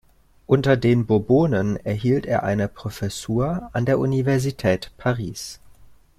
Unter den Bourbonen erhielt er eine Professur an der Universität Paris.